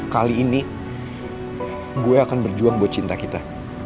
kali ini gue akan berjuang buat cinta kita